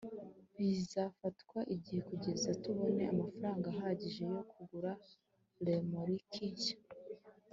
bizatwara igihe kugeza tubonye amafaranga ahagije yo kugura romoruki nshya